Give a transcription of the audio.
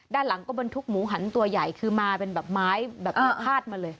ด้านหลังก็บรรทุกหมูหันตัวใหญ่คือมาเป็นแบบไม้แบบนี้พาดมาเลย